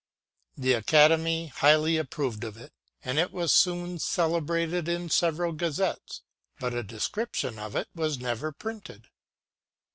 The Academy highly approved of it, and it was soon celebrated in several gazettes, but a descrip tion of it was never printed.